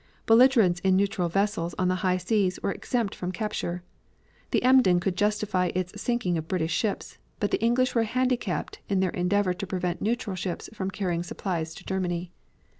Belligerents in neutral vessels on the high seas were exempt from capture. The Emden could justify its sinking of British ships, but the English were handicapped in their endeavor to prevent neutral ships from carrying supplies to Germany.